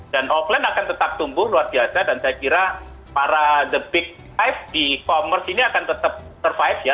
dan offline akan tetap tumbuh luar biasa dan saya kira para the big five di e commerce ini akan tetap survive ya